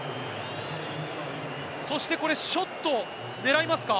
そしてショット狙いますか？